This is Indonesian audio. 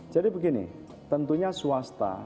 jadi begini tentunya swasta